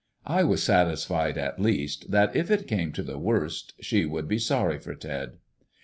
I was satisfied, at least, that if it came to the worst she would be sorry for Ted.